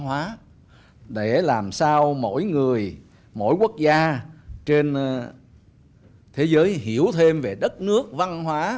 hóa để làm sao mỗi người mỗi quốc gia trên thế giới hiểu thêm về đất nước văn hóa